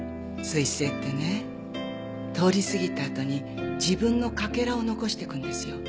彗星ってね通り過ぎたあとに自分のかけらを残していくんですよ。